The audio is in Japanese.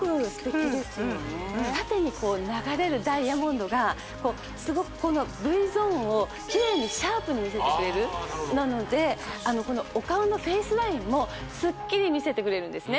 縦に流れるダイヤモンドがすごくこのＶゾーンをキレイにシャープに見せてくれるなのでお顔のフェイスラインもすっきり見せてくれるんですね